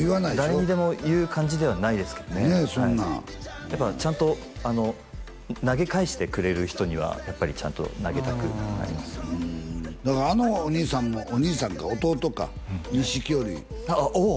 誰にでも言う感じではないですけどねやっぱちゃんと投げ返してくれる人にはやっぱりちゃんと投げたくなりますねだからあのお義兄さんもお義兄さんか義弟か錦織おおっ